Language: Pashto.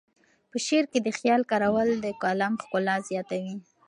په شعر کې د خیال کارول د کلام ښکلا زیاتوي.